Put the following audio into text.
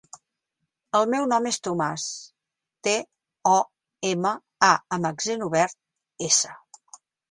El meu nom és Tomàs: te, o, ema, a amb accent obert, essa.